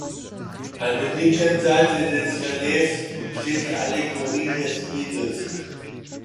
An der linken Seite des Reliefs steht die Allegorie des Krieges.